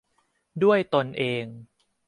ด้วยตนเอง